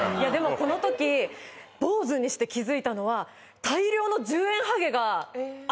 この時坊主にして気づいたのはあ